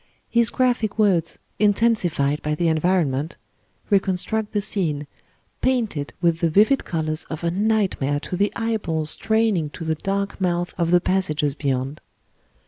His graphic words, intensified by the environment, re construct the scene, paint it with the vivid colours of a nightmare to the eyeballs straining to the dark mouth of the passages beyond.